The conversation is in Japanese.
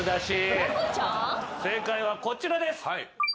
正解はこちらです。